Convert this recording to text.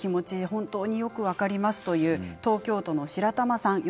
本当によく分かりますという東京都の方です。